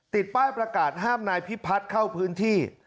ติดป้ายประกาศห้ามนายพิพัฒน์เข้าพื้นที่